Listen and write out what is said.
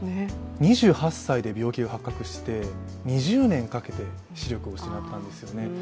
２８歳で病気が発覚して２０年かけて視力を失ったんですよね。